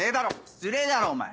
失礼だろお前！